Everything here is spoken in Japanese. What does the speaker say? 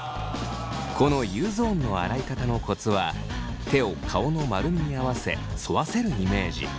このＵゾーンの洗い方のコツは手を顔の丸みに合わせ沿わせるイメージ。